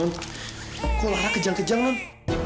nang kok lara kejang kejang nang